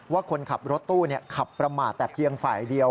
ว่าคนขับรถตู้ขับประมาทแต่เพียงฝ่ายเดียว